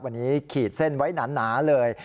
วันนี้ขีดเส้นไว้หนาเลย